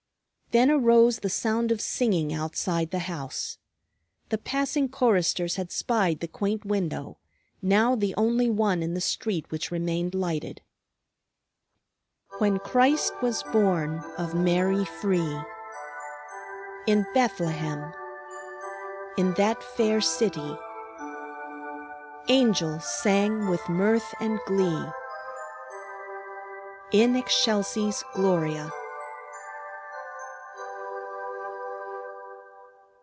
Then arose the sound of singing outside the house. The passing choristers had spied the quaint window, now the only one in the street which remained lighted: "When Christ was born of Mary free, In Bethlehem, in that fair citye, Angels sang with mirth and glee, _In Excelsis Gloria!